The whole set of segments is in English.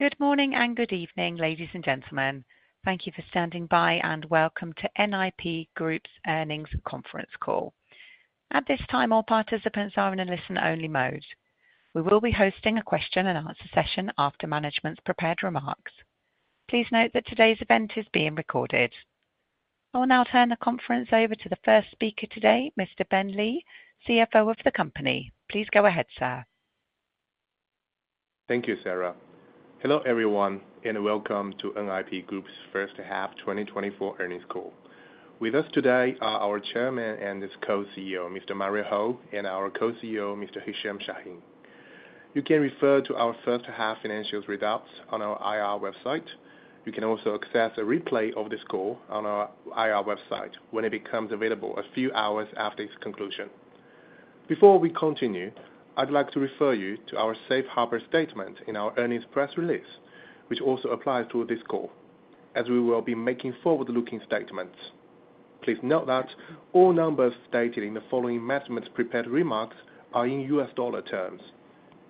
Good morning and good evening, ladies and gentlemen. Thank you for standing by and welcome to NIP Group's earnings conference call. At this time, all participants are in a listen-only mode. We will be hosting a question-and-answer session after management's prepared remarks. Please note that today's event is being recorded. I will now turn the conference over to the first speaker today, Mr. Ben Li, CFO of the company. Please go ahead, sir. Thank you, Sarah. Hello everyone, and welcome to NIP Group's first half 2024 earnings call. With us today are our Chairman and Co-CEO, Mr. Mario Ho, and our Co-CEO, Mr. Hicham Chahine. You can refer to our first half financials results on our IR website. You can also access a replay of this call on our IR website when it becomes available a few hours after its conclusion. Before we continue, I'd like to refer you to our Safe Harbor Statement in our earnings press release, which also applies to this call, as we will be making forward-looking statements. Please note that all numbers stated in the following management's prepared remarks are in USD terms,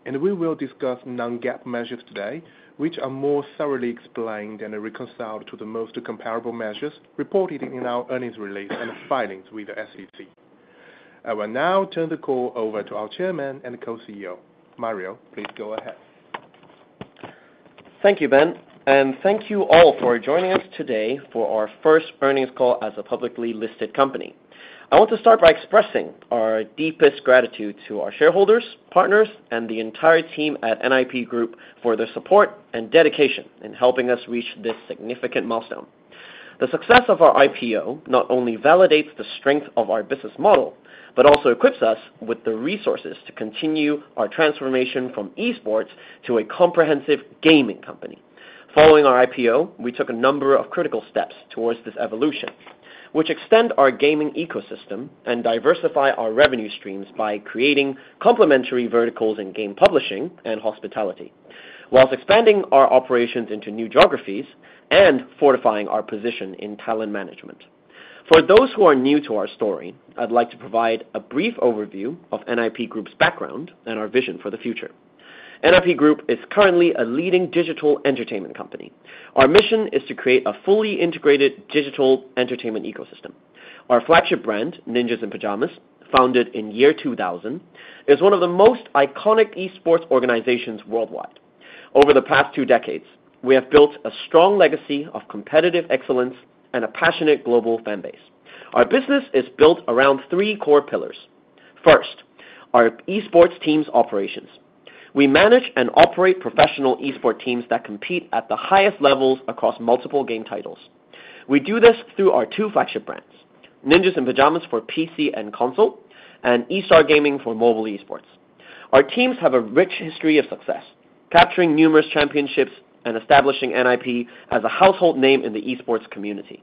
and we will discuss non-GAAP measures today, which are more thoroughly explained and reconciled to the most comparable measures reported in our earnings release and filings with the SEC. I will now turn the call over to our Chairman and Co-CEO. Mario, please go ahead. Thank you, Ben, and thank you all for joining us today for our first earnings call as a publicly listed company. I want to start by expressing our deepest gratitude to our shareholders, partners, and the entire team at NIP Group for their support and dedication in helping us reach this significant milestone. The success of our IPO not only validates the strength of our business model, but also equips us with the resources to continue our transformation from esports to a comprehensive gaming company. Following our IPO, we took a number of critical steps towards this evolution, which extend our gaming ecosystem and diversify our revenue streams by creating complementary verticals in game publishing and hospitality, while expanding our operations into new geographies and fortifying our position in talent management. For those who are new to our story, I'd like to provide a brief overview of NIP Group's background and our vision for the future. NIP Group is currently a leading digital entertainment company. Our mission is to create a fully integrated digital entertainment ecosystem. Our flagship brand, Ninjas in Pyjamas, founded in year 2000, is one of the most iconic esports organizations worldwide. Over the past two decades, we have built a strong legacy of competitive excellence and a passionate global fan base. Our business is built around three core pillars. First, our esports team's operations. We manage and operate professional esports teams that compete at the highest levels across multiple game titles. We do this through our two flagship brands, Ninjas in Pyjamas for PC and console, and eStar Gaming for mobile esports. Our teams have a rich history of success, capturing numerous championships and establishing NIP as a household name in the esports community.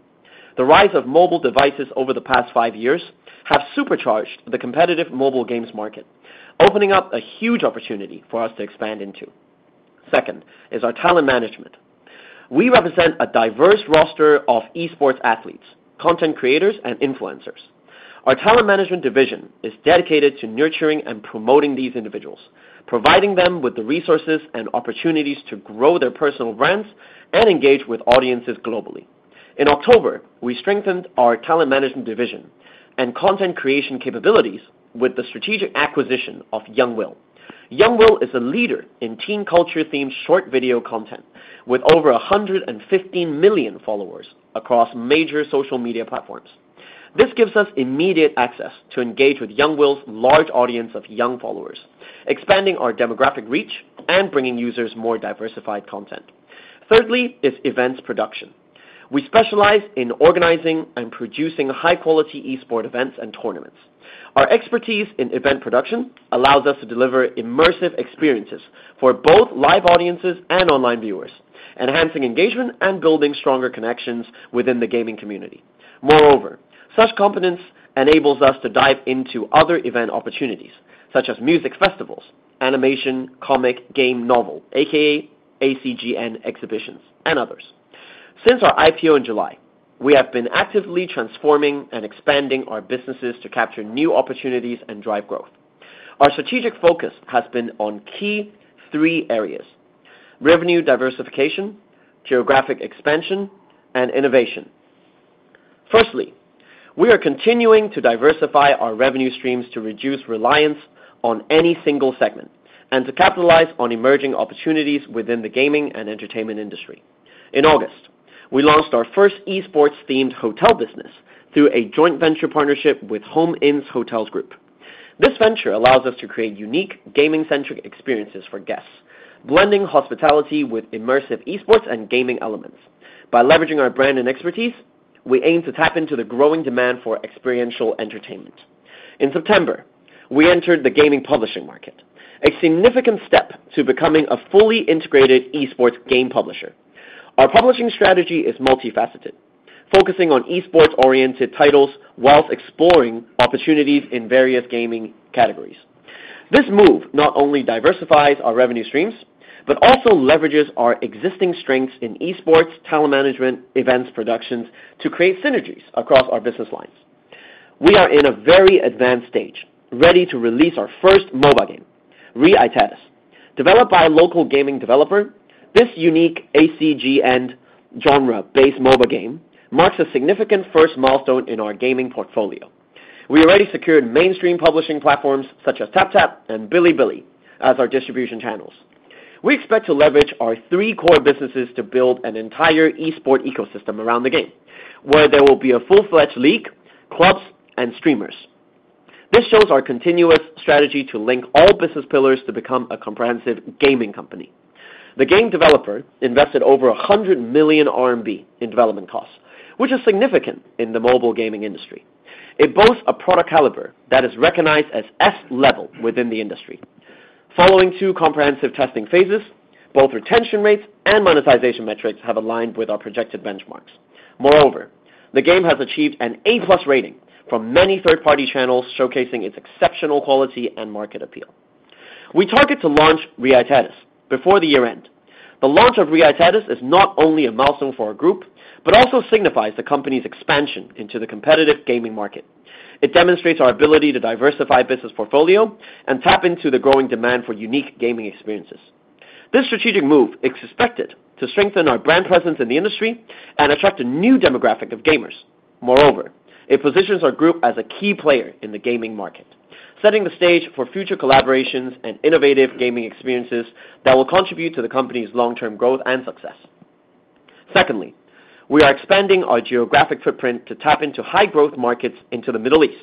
The rise of mobile devices over the past five years has supercharged the competitive mobile games market, opening up a huge opportunity for us to expand into. Second is our talent management. We represent a diverse roster of esports athletes, content creators, and influencers. Our talent management division is dedicated to nurturing and promoting these individuals, providing them with the resources and opportunities to grow their personal brands and engage with audiences globally. In October, we strengthened our talent management division and content creation capabilities with the strategic acquisition of Young Will. Young Will is a leader in teen culture-themed short video content with over 115 million followers across major social media platforms. This gives us immediate access to engage with Young Will's large audience of young followers, expanding our demographic reach and bringing users more diversified content. Thirdly is events production. We specialize in organizing and producing high-quality esports events and tournaments. Our expertise in event production allows us to deliver immersive experiences for both live audiences and online viewers, enhancing engagement and building stronger connections within the gaming community. Moreover, such competence enables us to dive into other event opportunities, such as music festivals, animation, comic, game novel, a.k.a. ACGN exhibitions, and others. Since our IPO in July, we have been actively transforming and expanding our businesses to capture new opportunities and drive growth. Our strategic focus has been on key three areas: revenue diversification, geographic expansion, and innovation. Firstly, we are continuing to diversify our revenue streams to reduce reliance on any single segment and to capitalize on emerging opportunities within the gaming and entertainment industry. In August, we launched our first esports-themed hotel business through a joint venture partnership with Homeinns Hotel Group. This venture allows us to create unique gaming-centric experiences for guests, blending hospitality with immersive esports and gaming elements. By leveraging our brand and expertise, we aim to tap into the growing demand for experiential entertainment. In September, we entered the gaming publishing market, a significant step to becoming a fully integrated esports game publisher. Our publishing strategy is multifaceted, focusing on esports-oriented titles while exploring opportunities in various gaming categories. This move not only diversifies our revenue streams but also leverages our existing strengths in esports, talent management, events, and productions to create synergies across our business lines. We are in a very advanced stage, ready to release our first mobile game, Re: Aetatis. Developed by a local gaming developer, this unique ACGN genre-based mobile game marks a significant first milestone in our gaming portfolio. We already secured mainstream publishing platforms such as TapTap and Bilibili as our distribution channels. We expect to leverage our three core businesses to build an entire esports ecosystem around the game, where there will be a full-fledged league, clubs, and streamers. This shows our continuous strategy to link all business pillars to become a comprehensive gaming company. The game developer invested over 100 million RMB in development costs, which is significant in the mobile gaming industry. It boasts a product caliber that is recognized as S-level within the industry. Following two comprehensive testing phases, both retention rates and monetization metrics have aligned with our projected benchmarks. Moreover, the game has achieved an A-plus rating from many third-party channels, showcasing its exceptional quality and market appeal. We target to launch Re: Aetatis before the year end. The launch of Re: Aetatis is not only a milestone for our group but also signifies the company's expansion into the competitive gaming market. It demonstrates our ability to diversify the business portfolio and tap into the growing demand for unique gaming experiences. This strategic move is expected to strengthen our brand presence in the industry and attract a new demographic of gamers. Moreover, it positions our group as a key player in the gaming market, setting the stage for future collaborations and innovative gaming experiences that will contribute to the company's long-term growth and success. Secondly, we are expanding our geographic footprint to tap into high-growth markets in the Middle East.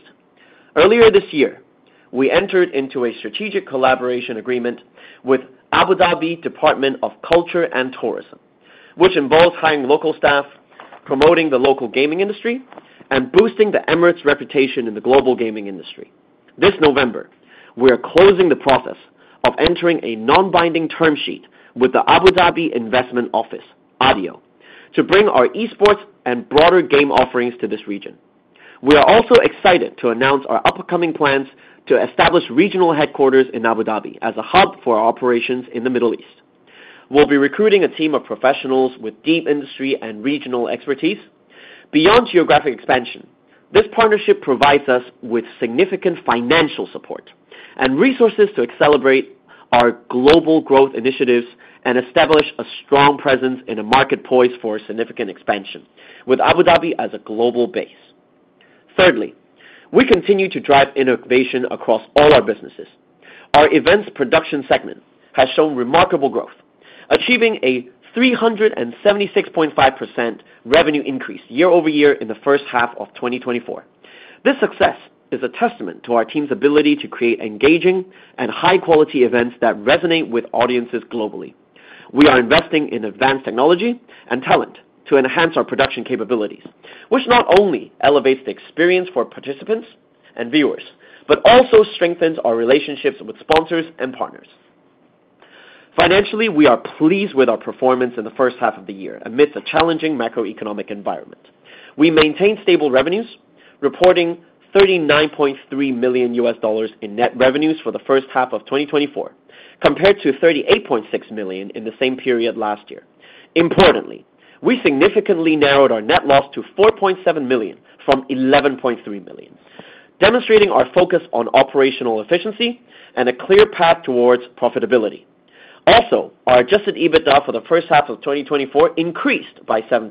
Earlier this year, we entered into a strategic collaboration agreement with Abu Dhabi's Department of Culture and Tourism, which involves hiring local staff, promoting the local gaming industry, and boosting the Emirates' reputation in the global gaming industry. This November, we are closing the process of entering a non-binding term sheet with the Abu Dhabi Investment Office (ADIO) to bring our esports and broader game offerings to this region. We are also excited to announce our upcoming plans to establish regional headquarters in Abu Dhabi as a hub for our operations in the Middle East. We'll be recruiting a team of professionals with deep industry and regional expertise. Beyond geographic expansion, this partnership provides us with significant financial support and resources to accelerate our global growth initiatives and establish a strong presence in a market poised for significant expansion, with Abu Dhabi as a global base. Thirdly, we continue to drive innovation across all our businesses. Our events production segment has shown remarkable growth, achieving a 376.5% revenue increase year-over-year in the first half of 2024. This success is a testament to our team's ability to create engaging and high-quality events that resonate with audiences globally. We are investing in advanced technology and talent to enhance our production capabilities, which not only elevates the experience for participants and viewers but also strengthens our relationships with sponsors and partners. Financially, we are pleased with our performance in the first half of the year amidst a challenging macroeconomic environment. We maintain stable revenues, reporting $39.3 million in net revenues for the first half of 2024, compared to $38.6 million in the same period last year. Importantly, we significantly narrowed our net loss to $4.7 million from $11.3 million, demonstrating our focus on operational efficiency and a clear path towards profitability. Also, our adjusted EBITDA for the first half of 2024 increased by 7%,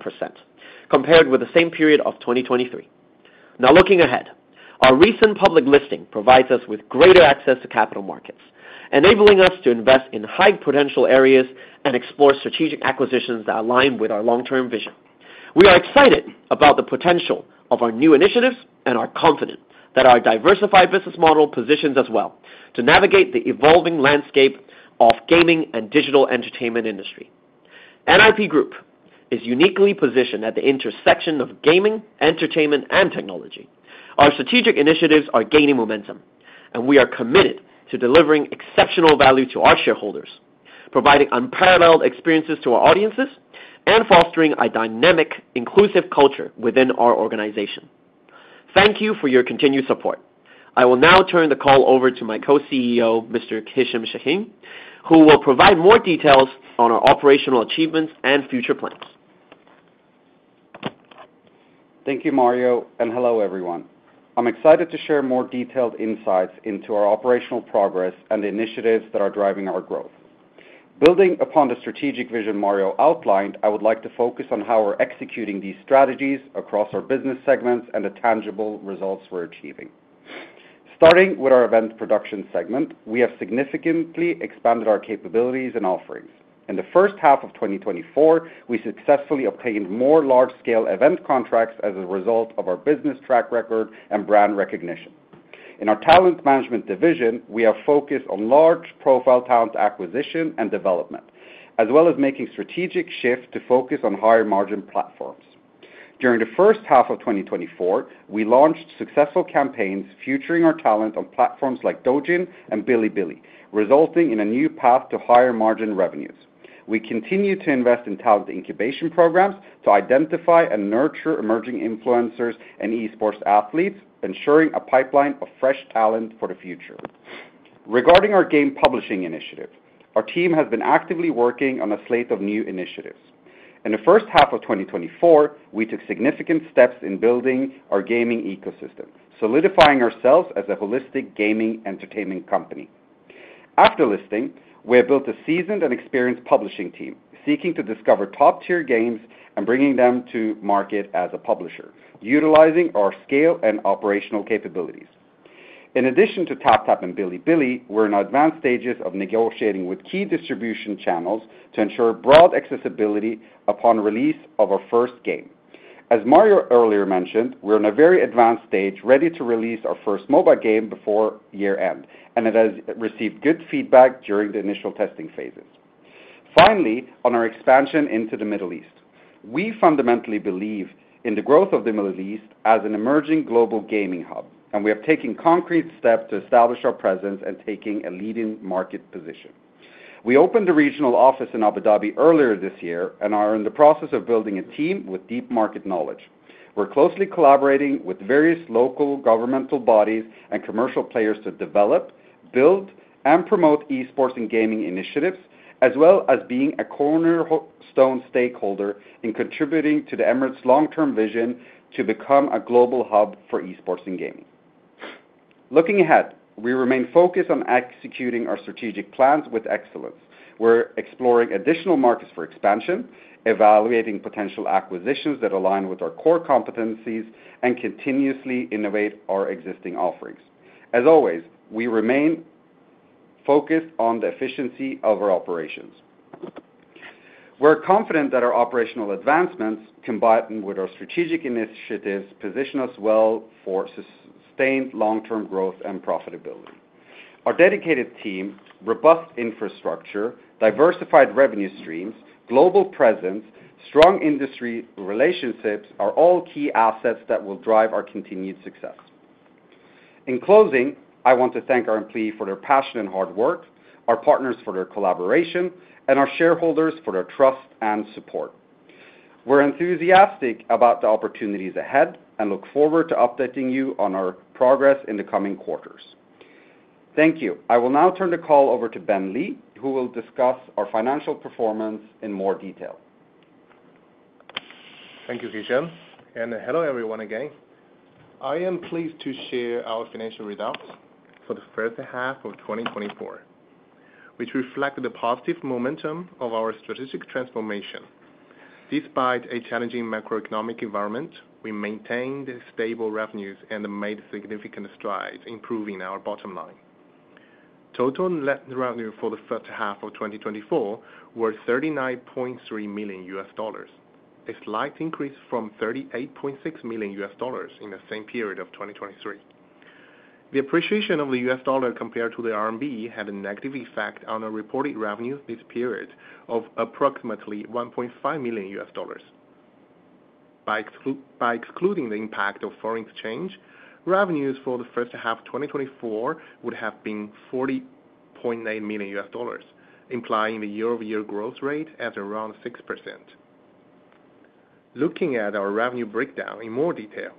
compared with the same period of 2023. Now, looking ahead, our recent public listing provides us with greater access to capital markets, enabling us to invest in high-potential areas and explore strategic acquisitions that align with our long-term vision. We are excited about the potential of our new initiatives and are confident that our diversified business model positions us well to navigate the evolving landscape of the gaming and digital entertainment industry. NIP Group is uniquely positioned at the intersection of gaming, entertainment, and technology. Our strategic initiatives are gaining momentum, and we are committed to delivering exceptional value to our shareholders, providing unparalleled experiences to our audiences, and fostering a dynamic, inclusive culture within our organization. Thank you for your continued support. I will now turn the call over to my co-CEO, Mr. Hicham Chahine, who will provide more details on our operational achievements and future plans. Thank you, Mario, and hello, everyone. I'm excited to share more detailed insights into our operational progress and initiatives that are driving our growth. Building upon the strategic vision Mario outlined, I would like to focus on how we're executing these strategies across our business segments and the tangible results we're achieving. Starting with our event production segment, we have significantly expanded our capabilities and offerings. In the first half of 2024, we successfully obtained more large-scale event contracts as a result of our business track record and brand recognition. In our talent management division, we have focused on high-profile talent acquisition and development, as well as making a strategic shift to focus on higher-margin platforms. During the first half of 2024, we launched successful campaigns featuring our talent on platforms like Douyin and Bilibili, resulting in a new path to higher-margin revenues. We continue to invest in talent incubation programs to identify and nurture emerging influencers and esports athletes, ensuring a pipeline of fresh talent for the future. Regarding our game publishing initiative, our team has been actively working on a slate of new initiatives. In the first half of 2024, we took significant steps in building our gaming ecosystem, solidifying ourselves as a holistic gaming entertainment company. After listing, we have built a seasoned and experienced publishing team, seeking to discover top-tier games and bring them to market as a publisher, utilizing our scale and operational capabilities. In addition to TapTap and Bilibili, we're in advanced stages of negotiating with key distribution channels to ensure broad accessibility upon release of our first game. As Mario earlier mentioned, we're in a very advanced stage, ready to release our first mobile game before year-end, and it has received good feedback during the initial testing phases. Finally, on our expansion into the Middle East, we fundamentally believe in the growth of the Middle East as an emerging global gaming hub, and we are taking concrete steps to establish our presence and take a leading market position. We opened a regional office in Abu Dhabi earlier this year and are in the process of building a team with deep market knowledge. We're closely collaborating with various local governmental bodies and commercial players to develop, build, and promote esports and gaming initiatives, as well as being a cornerstone stakeholder in contributing to the Emirates' long-term vision to become a global hub for esports and gaming. Looking ahead, we remain focused on executing our strategic plans with excellence. We're exploring additional markets for expansion, evaluating potential acquisitions that align with our core competencies, and continuously innovating our existing offerings. As always, we remain focused on the efficiency of our operations. We're confident that our operational advancements, combined with our strategic initiatives, position us well for sustained long-term growth and profitability. Our dedicated team, robust infrastructure, diversified revenue streams, global presence, and strong industry relationships are all key assets that will drive our continued success. In closing, I want to thank our employees for their passion and hard work, our partners for their collaboration, and our shareholders for their trust and support. We're enthusiastic about the opportunities ahead and look forward to updating you on our progress in the coming quarters. Thank you. I will now turn the call over to Ben Li, who will discuss our financial performance in more detail. Thank you, Hicham. Hello, everyone, again. I am pleased to share our financial results for the first half of 2024, which reflect the positive momentum of our strategic transformation. Despite a challenging macroeconomic environment, we maintained stable revenues and made significant strides, improving our bottom line. Total net revenue for the first half of 2024 was $39.3 million, a slight increase from $38.6 million in the same period of 2023. The appreciation of the US dollar compared to the RMB had a negative effect on our reported revenues this period of approximately $1.5 million. By excluding the impact of foreign exchange, revenues for the first half of 2024 would have been $40.8 million, implying the year-over-year growth rate at around 6%. Looking at our revenue breakdown in more detail,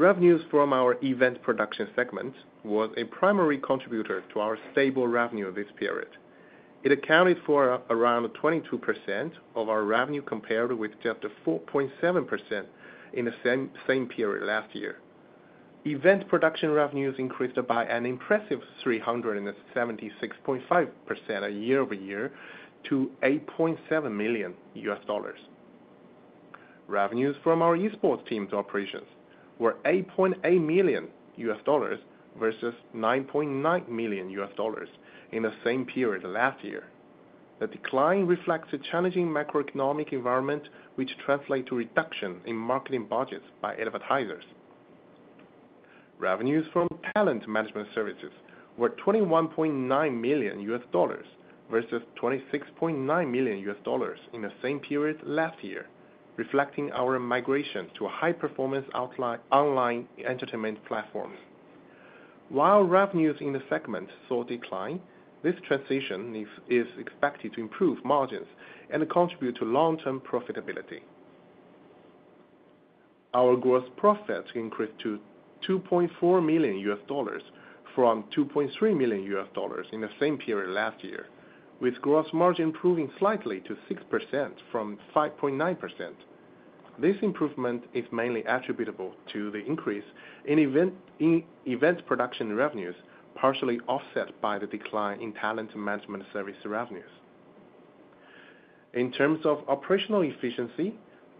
revenues from our event production segment were a primary contributor to our stable revenue this period. It accounted for around 22% of our revenue compared with just 4.7% in the same period last year. Event production revenues increased by an impressive 376.5% year-over-year to $8.7 million. Revenues from our esports team's operations were $8.8 million versus $9.9 million in the same period last year. The decline reflects a challenging macroeconomic environment, which translates to a reduction in marketing budgets by advertisers. Revenues from talent management services were $21.9 million versus $26.9 million in the same period last year, reflecting our migration to high-performance online entertainment platforms. While revenues in the segment saw decline, this transition is expected to improve margins and contribute to long-term profitability. Our gross profit increased to $2.4 million from $2.3 million in the same period last year, with gross margin improving slightly to 6% from 5.9%. This improvement is mainly attributable to the increase in event production revenues, partially offset by the decline in talent management service revenues. In terms of operational efficiency,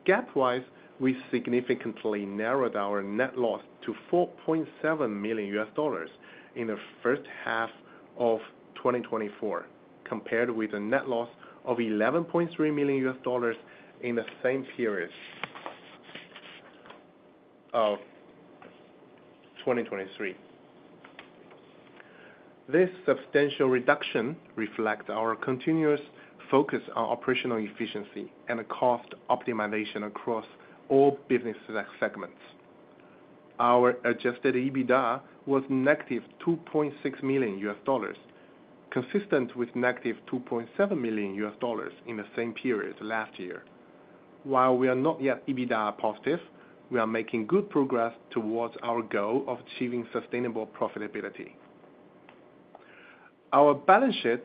gap-wise, we significantly narrowed our net loss to $4.7 million in the first half of 2024, compared with a net loss of $11.3 million in the same period of 2023. This substantial reduction reflects our continuous focus on operational efficiency and cost optimization across all business segments. Our adjusted EBITDA was -$2.6 million, consistent with -$2.7 million in the same period last year. While we are not yet EBITDA positive, we are making good progress towards our goal of achieving sustainable profitability. Our balance sheet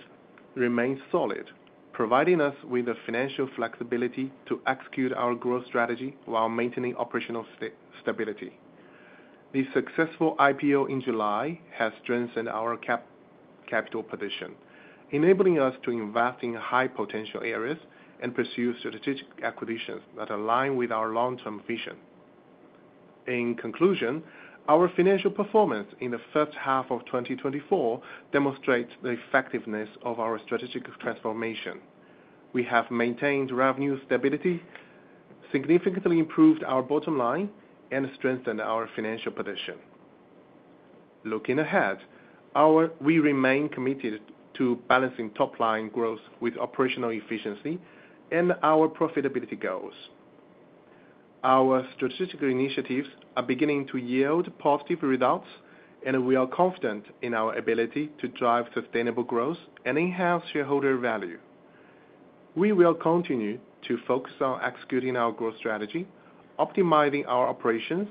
remains solid, providing us with the financial flexibility to execute our growth strategy while maintaining operational stability. The successful IPO in July has strengthened our capital position, enabling us to invest in high-potential areas and pursue strategic acquisitions that align with our long-term vision. In conclusion, our financial performance in the first half of 2024 demonstrates the effectiveness of our strategic transformation. We have maintained revenue stability, significantly improved our bottom line, and strengthened our financial position. Looking ahead, we remain committed to balancing top-line growth with operational efficiency and our profitability goals. Our strategic initiatives are beginning to yield positive results, and we are confident in our ability to drive sustainable growth and enhance shareholder value. We will continue to focus on executing our growth strategy, optimizing our operations,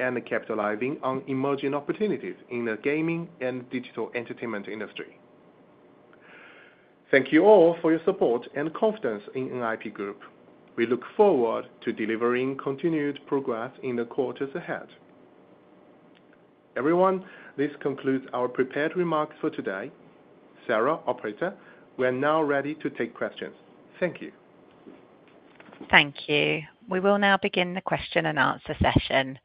and capitalizing on emerging opportunities in the gaming and digital entertainment industry. Thank you all for your support and confidence in NIP Group. We look forward to delivering continued progress in the quarters ahead. Everyone, this concludes our prepared remarks for today. Sarah, operator, we are now ready to take questions. Thank you. Thank you. We will now begin the question and answer session.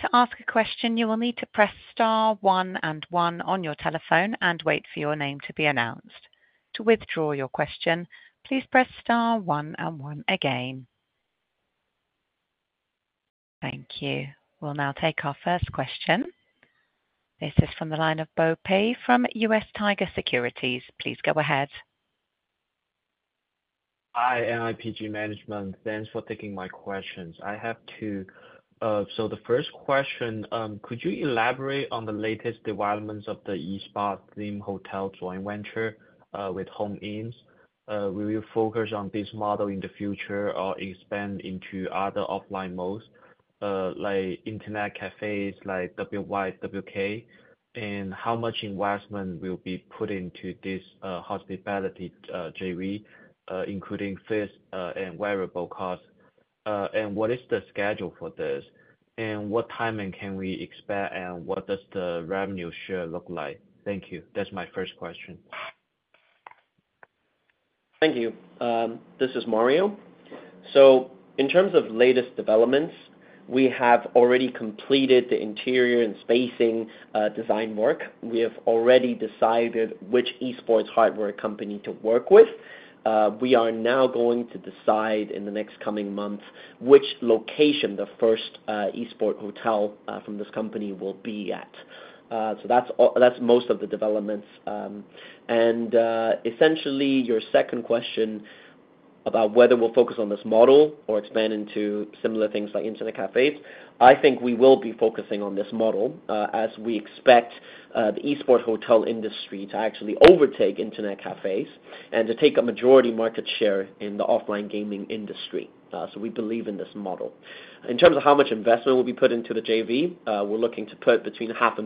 To ask a question, you will need to press star one and one on your telephone and wait for your name to be announced. To withdraw your question, please press star one and one again. Thank you. We'll now take our first question. This is from the line of Bo Pei from US Tiger Securities. Please go ahead. Hi, NIPG management. Thanks for taking my questions. I have two. So the first question, could you elaborate on the latest developments of the esports-themed hotel joint venture with Homeinns? Will you focus on this model in the future or expand into other offline modes like internet cafes like WYWK? And how much investment will be put into this hospitality JV, including fixed and variable costs? And what is the schedule for this? And what timing can we expect? And what does the revenue share look like? Thank you. That's my first question. Thank you. This is Mario. So in terms of latest developments, we have already completed the interior and spacing design work. We have already decided which esports hardware company to work with. We are now going to decide in the next coming months which location the first esports hotel from this company will be at. So that's most of the developments. And essentially, your second question about whether we'll focus on this model or expand into similar things like internet cafes, I think we will be focusing on this model as we expect the esports hotel industry to actually overtake internet cafes and to take a majority market share in the offline gaming industry. So we believe in this model. In terms of how much investment will be put into the JV, we're looking to put between $500,000-$1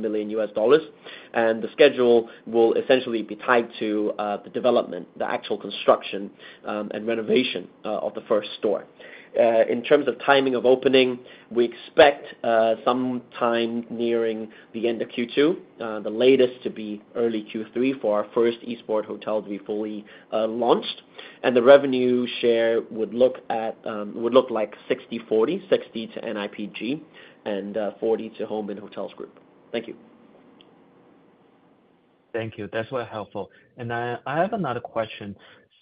million. The schedule will essentially be tied to the development, the actual construction, and renovation of the first store. In terms of timing of opening, we expect some time nearing the end of Q2, the latest to be early Q3 for our first esports hotel to be fully launched. The revenue share would look like 60-40, 60 to NIPG and 40 to Homeinns Hotel Group. Thank you. Thank you. That's very helpful. And I have another question.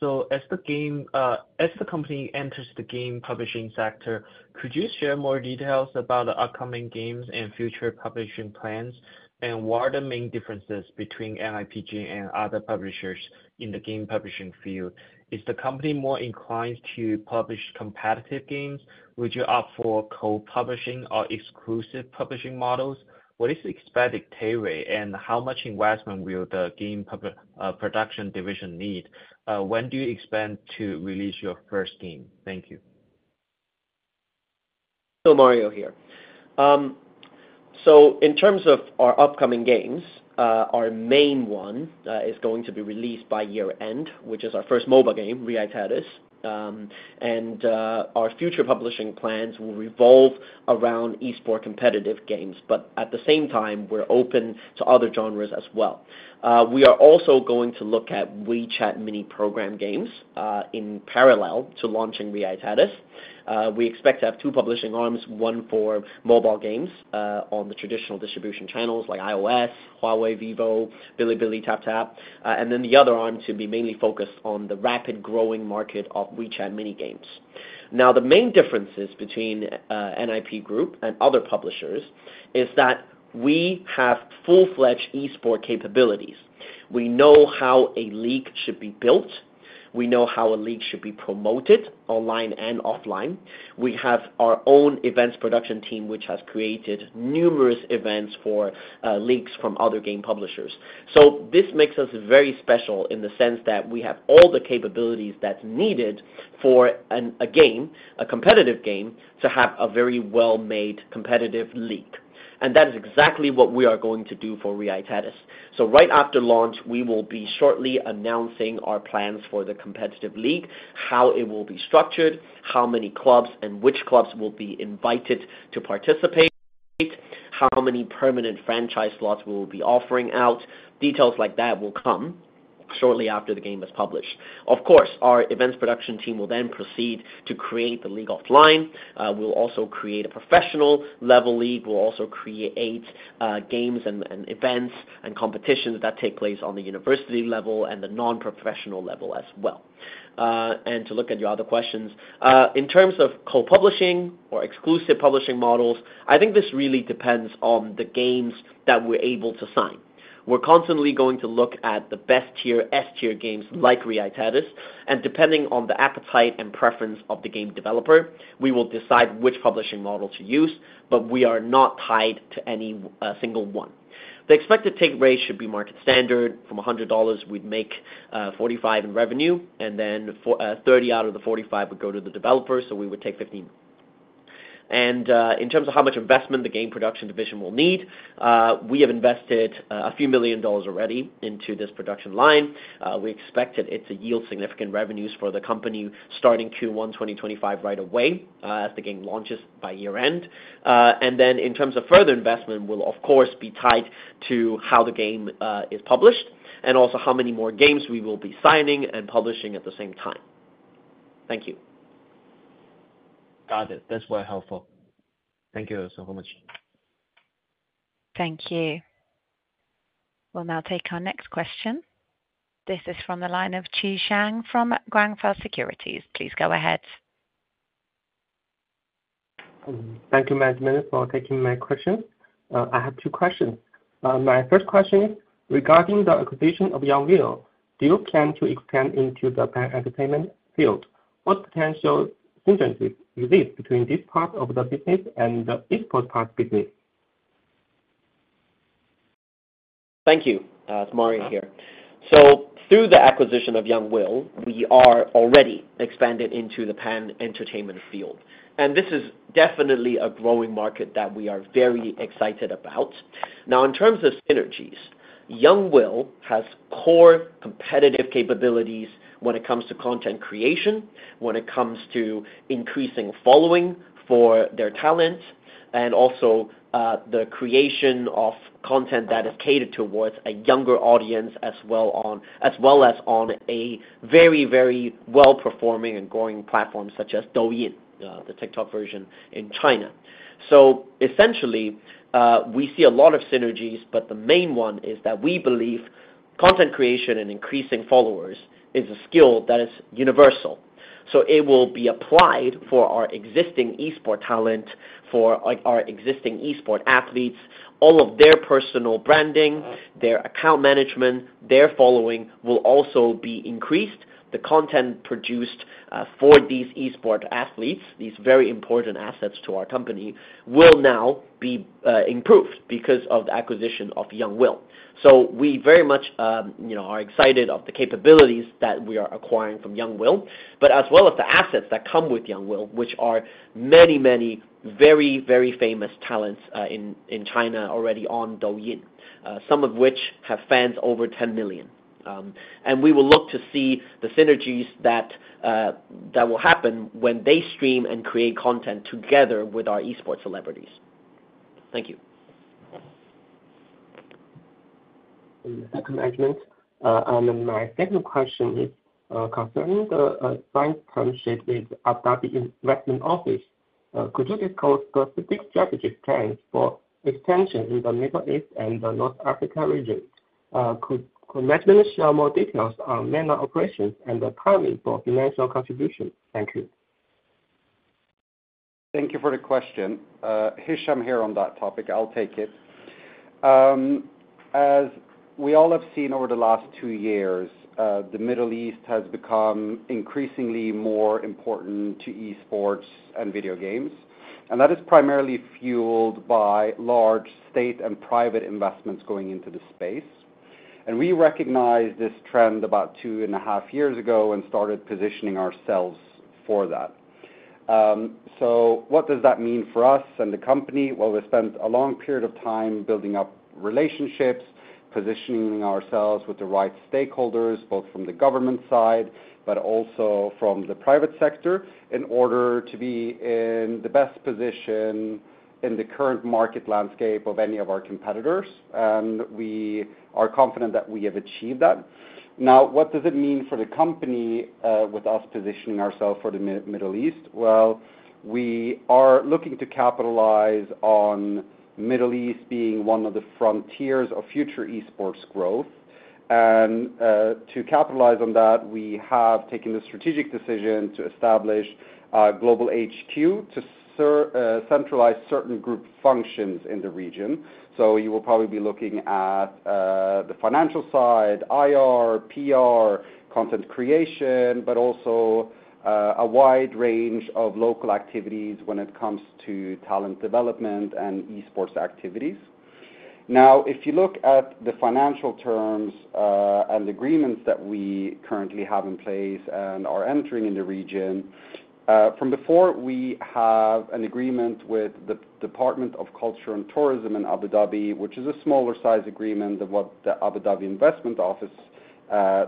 So as the company enters the game publishing sector, could you share more details about the upcoming games and future publishing plans? And what are the main differences between NIPG and other publishers in the game publishing field? Is the company more inclined to publish competitive games? Would you opt for co-publishing or exclusive publishing models? What is the expected pay rate, and how much investment will the game production division need? When do you expect to release your first game? Thank you. So, Mario here. So in terms of our upcoming games, our main one is going to be released by year-end, which is our first mobile game, Re: Aetatis. And our future publishing plans will revolve around esports competitive games. But at the same time, we're open to other genres as well. We are also going to look at WeChat mini program games in parallel to launching Re: Aetatis. We expect to have two publishing arms, one for mobile games on the traditional distribution channels like iOS, Huawei, Vivo, Bilibili, TapTap, and then the other arm to be mainly focused on the rapidly growing market of WeChat mini games. Now, the main differences between NIP Group and other publishers is that we have full-fledged esports capabilities. We know how a league should be built. We know how a league should be promoted online and offline. We have our own events production team, which has created numerous events for leagues from other game publishers. So this makes us very special in the sense that we have all the capabilities that's needed for a game, a competitive game, to have a very well-made competitive league, and that is exactly what we are going to do for Re: Aetatis, so right after launch, we will be shortly announcing our plans for the competitive league, how it will be structured, how many clubs and which clubs will be invited to participate, how many permanent franchise slots we will be offering out. Details like that will come shortly after the game is published. Of course, our events production team will then proceed to create the league offline. We'll also create a professional-level league. We'll also create games and events and competitions that take place on the university level and the non-professional level as well. And to look at your other questions, in terms of co-publishing or exclusive publishing models, I think this really depends on the games that we're able to sign. We're constantly going to look at the best-tier, S-level games like Re: Aetatis. And depending on the appetite and preference of the game developer, we will decide which publishing model to use. But we are not tied to any single one. The expected take rate should be market standard. From $100, we'd make $45 in revenue. And then $30 out of the $45 would go to the developer. So we would take $15. And in terms of how much investment the game production division will need, we have invested a few million dollars already into this production line. We expect that it'll yield significant revenues for the company starting Q1 2025 right away as the game launches by year-end. And then in terms of further investment, we'll, of course, be tied to how the game is published and also how many more games we will be signing and publishing at the same time. Thank you. Got it. That's very helpful. Thank you so much. Thank you. We'll now take our next question. This is from the line of Chao Shang from Guangfa Securities. Please go ahead. Thank you, management, for taking my question. I have two questions. My first question is regarding the acquisition of Young Will. Do you plan to expand into the pan-entertainment field? What potential synergies exist between this part of the business and the esports part business? Thank you. It's Mario here. So through the acquisition of Young Will, we are already expanding into the pan-entertainment field. And this is definitely a growing market that we are very excited about. Now, in terms of synergies, Young Will has core competitive capabilities when it comes to content creation, when it comes to increasing following for their talent, and also the creation of content that is catered towards a younger audience as well as on a very, very well-performing and growing platform such as Douyin, the TikTok version in China. So essentially, we see a lot of synergies, but the main one is that we believe content creation and increasing followers is a skill that is universal. So it will be applied for our existing esports talent, for our existing esports athletes, all of their personal branding, their account management, their following will also be increased. The content produced for these esports athletes, these very important assets to our company, will now be improved because of the acquisition of Young Will. So we very much are excited about the capabilities that we are acquiring from Young Will, but as well as the assets that come with Young Will, which are many, many very, very famous talents in China already on Douyin, some of which have fans over 10 million. And we will look to see the synergies that will happen when they stream and create content together with our esports celebrities. Thank you. Thank you, management. And my second question is concerning the signed term sheet with Abu Dhabi Investment Office. Could you discuss the specific strategic plans for expansion in the Middle East and the North Africa region? Could management share more details on MENA operations and the timing for financial contribution? Thank you. Thank you for the question. Hicham here on that topic. I'll take it. As we all have seen over the last two years, the Middle East has become increasingly more important to Esports and video games. That is primarily fueled by large state and private investments going into the space. We recognized this trend about two and a half years ago and started positioning ourselves for that. What does that mean for us and the company? We spent a long period of time building up relationships, positioning ourselves with the right stakeholders, both from the government side but also from the private sector, in order to be in the best position in the current market landscape of any of our competitors. We are confident that we have achieved that. Now, what does it mean for the company with us positioning ourselves for the Middle East? We are looking to capitalize on the Middle East being one of the frontiers of future esports growth. To capitalize on that, we have taken the strategic decision to establish a global HQ to centralize certain group functions in the region. You will probably be looking at the financial side, IR, PR, content creation, but also a wide range of local activities when it comes to talent development and esports activities. Now, if you look at the financial terms and agreements that we currently have in place and are entering in the region, from before, we have an agreement with the Department of Culture and Tourism in Abu Dhabi, which is a smaller-sized agreement than what the Abu Dhabi Investment Office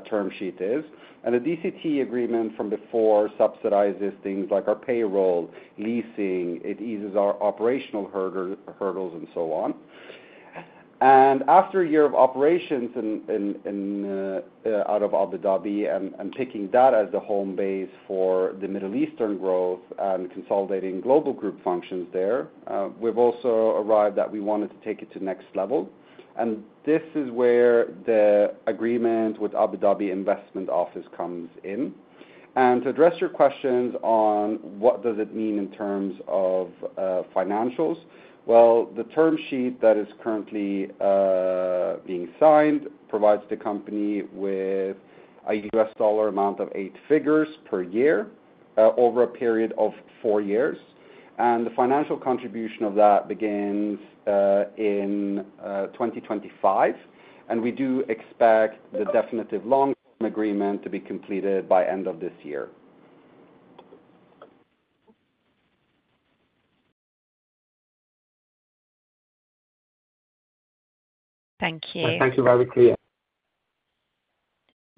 term sheet is. The DCT agreement from before subsidizes things like our payroll, leasing. It eases our operational hurdles and so on. And after a year of operations out of Abu Dhabi and picking that as the home base for the Middle Eastern growth and consolidating global group functions there, we've also arrived at we wanted to take it to the next level. And this is where the agreement with Abu Dhabi Investment Office comes in. And to address your questions on what does it mean in terms of financials, well, the term sheet that is currently being signed provides the company with a U.S. dollar amount of eight figures per year over a period of four years. And the financial contribution of that begins in 2025. And we do expect the definitive long-term agreement to be completed by the end of this year. Thank you. Thank you, management.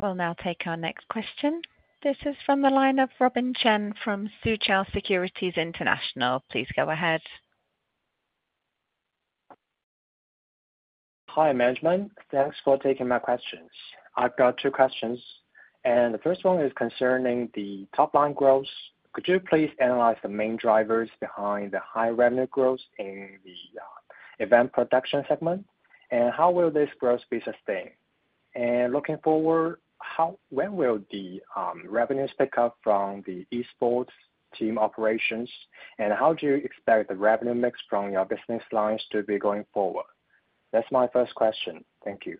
We'll now take our next question. This is from the line of Robin Chen from Soochow Securities International. Please go ahead. Hi, management. Thanks for taking my questions. I've got two questions. And the first one is concerning the top-line growth. Could you please analyze the main drivers behind the high revenue growth in the event production segment? And how will this growth be sustained? And looking forward, when will the revenues pick up from the esports team operations? And how do you expect the revenue mix from your business lines to be going forward? That's my first question. Thank you.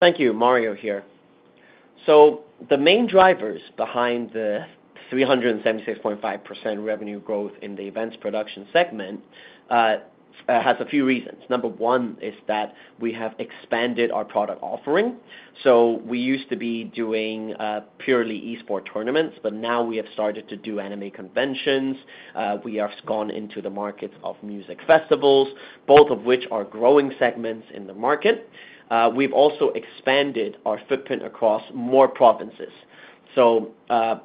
Thank you. Mario here. So the main drivers behind the 376.5% revenue growth in the events production segment have a few reasons. Number one is that we have expanded our product offering. So we used to be doing purely esports tournaments, but now we have started to do anime conventions. We have gone into the markets of music festivals, both of which are growing segments in the market. We've also expanded our footprint across more provinces. So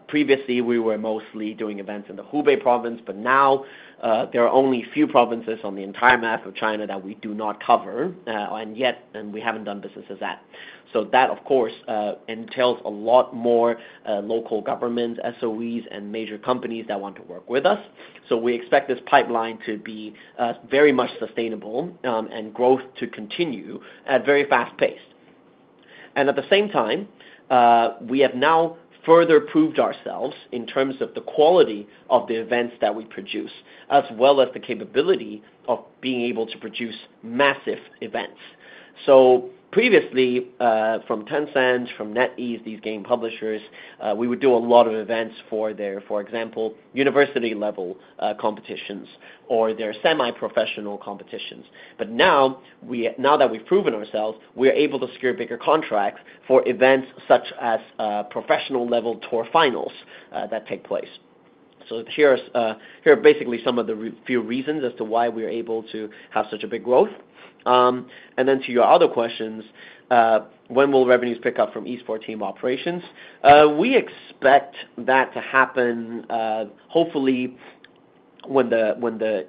previously, we were mostly doing events in the Hubei province, but now there are only a few provinces on the entire map of China that we do not cover, and yet we haven't done business as that. So that, of course, entails a lot more local governments, SOEs, and major companies that want to work with us. We expect this pipeline to be very much sustainable and growth to continue at a very fast pace. And at the same time, we have now further proved ourselves in terms of the quality of the events that we produce, as well as the capability of being able to produce massive events. Previously, from Tencent, from NetEase, these game publishers, we would do a lot of events for their, for example, university-level competitions or their semi-professional competitions. But now that we've proven ourselves, we are able to secure bigger contracts for events such as professional-level tour finals that take place. Here are basically some of the few reasons as to why we are able to have such a big growth. And then to your other questions, when will revenues pick up from esports team operations? We expect that to happen, hopefully, when the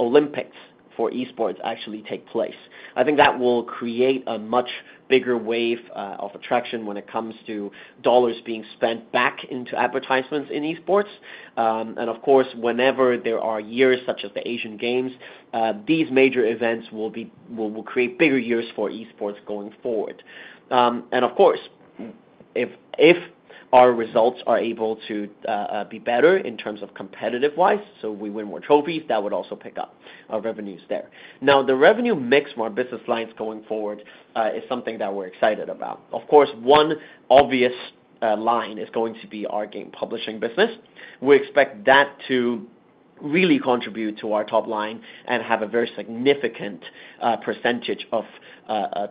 Olympics for esports actually take place. I think that will create a much bigger wave of attraction when it comes to dollars being spent back into advertisements in esports. And of course, whenever there are years such as the Asian Games, these major events will create bigger years for esports going forward. And of course, if our results are able to be better in terms of competitive-wise, so we win more trophies, that would also pick up our revenues there. Now, the revenue mix from our business lines going forward is something that we're excited about. Of course, one obvious line is going to be our game publishing business. We expect that to really contribute to our top line and have a very significant percentage of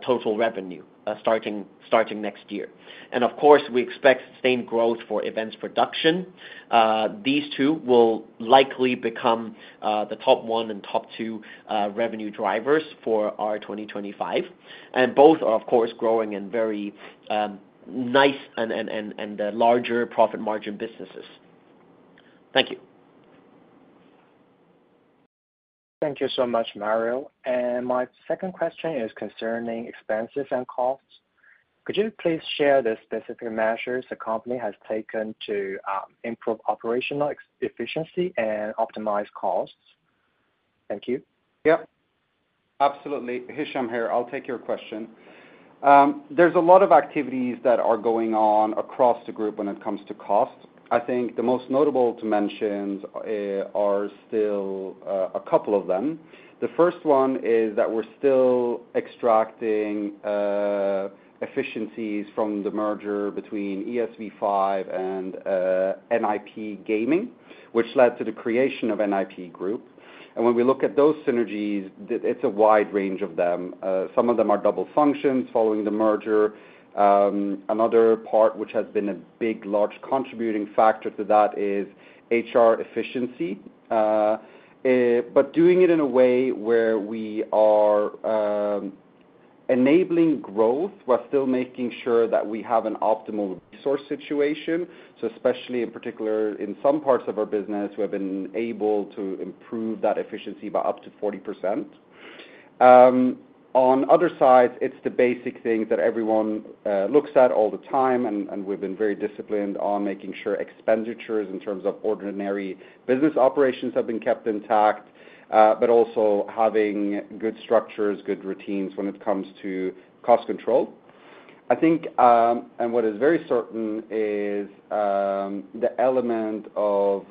total revenue starting next year. And of course, we expect sustained growth for events production. These two will likely become the top one and top two revenue drivers for our 2025, and both are, of course, growing in very nice and larger profit margin businesses. Thank you. Thank you so much, Mario. And my second question is concerning expenses and costs. Could you please share the specific measures the company has taken to improve operational efficiency and optimize costs? Thank you. Yep. Absolutely. Hicham here. I'll take your question. There's a lot of activities that are going on across the group when it comes to cost. I think the most notable to mention are still a couple of them. The first one is that we're still extracting efficiencies from the merger between ESV5 and NIP Gaming, which led to the creation of NIP Group, and when we look at those synergies, it's a wide range of them. Some of them are double functions following the merger. Another part which has been a big, large contributing factor to that is HR efficiency, but doing it in a way where we are enabling growth while still making sure that we have an optimal resource situation, so especially in particular, in some parts of our business, we have been able to improve that efficiency by up to 40%. On other sides, it's the basic things that everyone looks at all the time. And we've been very disciplined on making sure expenditures in terms of ordinary business operations have been kept intact, but also having good structures, good routines when it comes to cost control. I think, and what is very certain, is the element of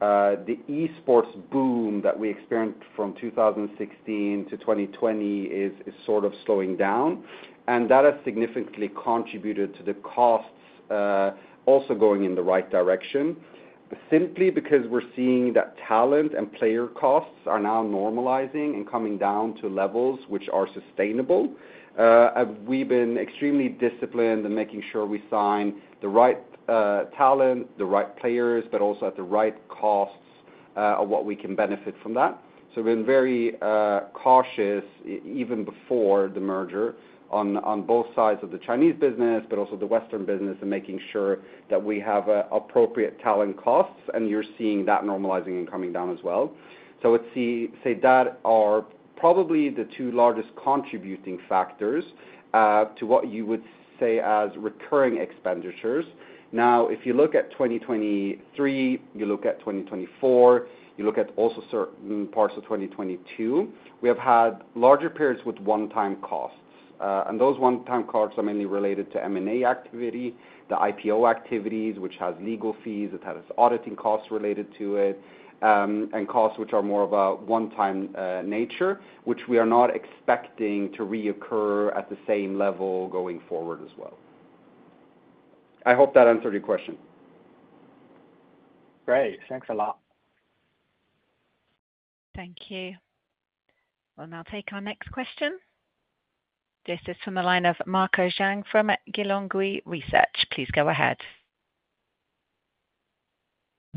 the esports boom that we experienced from 2016 to 2020 is sort of slowing down. And that has significantly contributed to the costs also going in the right direction. Simply because we're seeing that talent and player costs are now normalizing and coming down to levels which are sustainable, we've been extremely disciplined in making sure we sign the right talent, the right players, but also at the right costs of what we can benefit from that. So, we've been very cautious even before the merger on both sides of the Chinese business, but also the Western business, and making sure that we have appropriate talent costs. And you're seeing that normalizing and coming down as well. So, I would say that are probably the two largest contributing factors to what you would say as recurring expenditures. Now, if you look at 2023, you look at 2024, you look at also certain parts of 2022, we have had larger periods with one-time costs. And those one-time costs are mainly related to M&A activity, the IPO activities, which has legal fees, that has auditing costs related to it, and costs which are more of a one-time nature, which we are not expecting to reoccur at the same level going forward as well. I hope that answered your question. Great. Thanks a lot. Thank you. We'll now take our next question. This is from the line of Marco Zhang from Gelonghui Research. Please go ahead.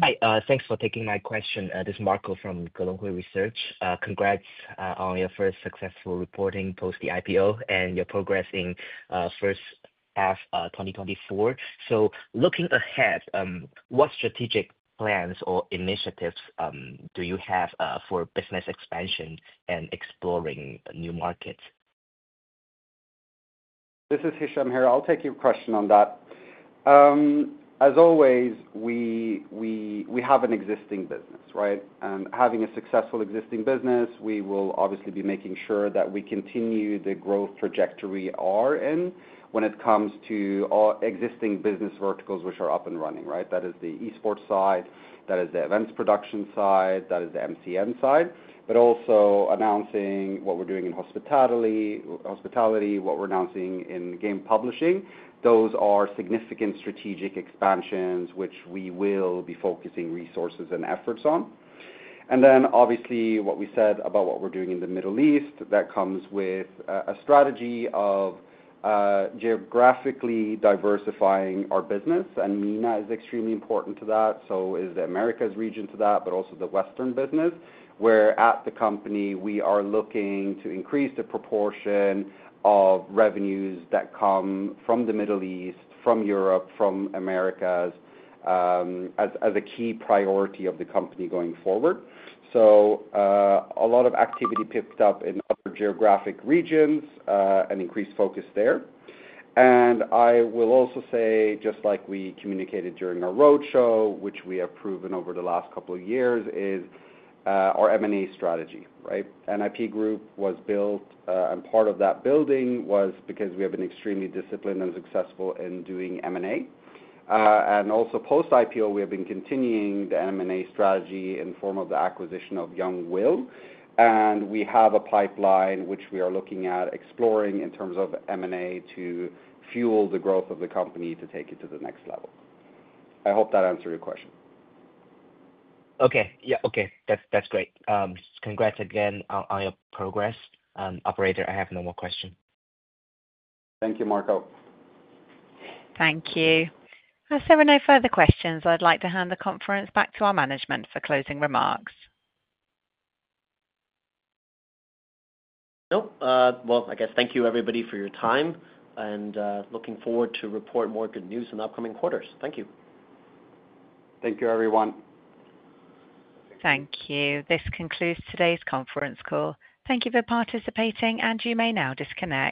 Hi. Thanks for taking my question. This is Marco from Gelonghui Research. Congrats on your first successful reporting post the IPO and your progress in the first half of 2024. So looking ahead, what strategic plans or initiatives do you have for business expansion and exploring new markets? This is Hicham here. I'll take your question on that. As always, we have an existing business, right? And having a successful existing business, we will obviously be making sure that we continue the growth trajectory we are in when it comes to our existing business verticals which are up and running, right? That is the esports side. That is the events production side. That is the MCN side. But also announcing what we're doing in hospitality, what we're announcing in game publishing. Those are significant strategic expansions which we will be focusing resources and efforts on. And then obviously, what we said about what we're doing in the Middle East, that comes with a strategy of geographically diversifying our business. And MENA is extremely important to that. So is the Americas region to that, but also the Western business, where at the company, we are looking to increase the proportion of revenues that come from the Middle East, from Europe, from Americas as a key priority of the company going forward. So a lot of activity picked up in other geographic regions and increased focus there. And I will also say, just like we communicated during our roadshow, which we have proven over the last couple of years, is our M&A strategy, right? NIP Group was built, and part of that building was because we have been extremely disciplined and successful in doing M&A. And also post-IPO, we have been continuing the M&A strategy in the form of the acquisition of Young Will. We have a pipeline which we are looking at exploring in terms of M&A to fuel the growth of the company to take it to the next level. I hope that answered your question. Okay. Yeah. Okay. That's great. Congrats again on your progress. Operator, I have no more questions. Thank you, Marco. Thank you. I see we have no further questions. I'd like to hand the conference back to our management for closing remarks. Nope. Well, I guess thank you, everybody, for your time. And looking forward to reporting more good news in the upcoming quarters. Thank you. Thank you, everyone. Thank you. This concludes today's conference call. Thank you for participating, and you may now disconnect.